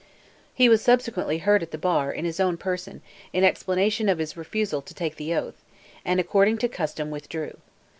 He was subsequently heard at the bar, in his own person, in explanation of his refusal to take the oath, and, according to custom, withdrew.